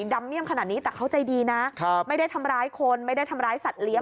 ดำเมี่ยมขนาดนี้แต่เขาใจดีนะไม่ได้ทำร้ายคนไม่ได้ทำร้ายสัตว์เลี้ย